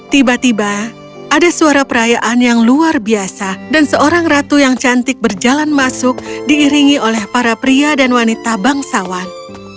tiba tiba ada suara perayaan yang luar biasa dan seorang ratu yang cantik berjalan masuk diiringi oleh para pria dan wanita bangsawan